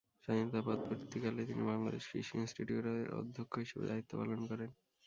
স্বাধীনতা পরবর্তীকালে তিনি বাংলাদেশ কৃষি ইনস্টিটিউটের অধ্যক্ষ হিসেবে দায়িত্ব পালন করেন।